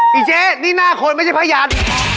เจ๊นี่หน้าคนไม่ใช่พยัด